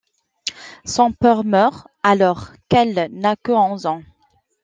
Son père meurt alors qu'elle n'a que onze ans.